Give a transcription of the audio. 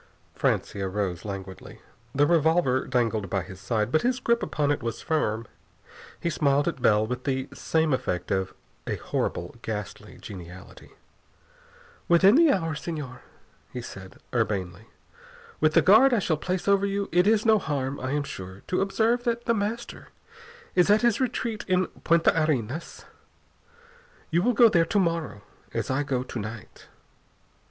Francia rose languidly. The revolver dangled by his side, but his grip upon it was firm. He smiled at Bell with the same effect of a horrible, ghastly geniality. "Within the hour, Señor," he said urbanely. "With the guard I shall place over you it is no harm, I am sure, to observe that The Master is at his retreat in Punta Arenas. You will go there to morrow, as I go to night."